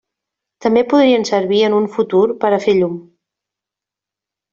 També podrien servir en un futur per a fer llum.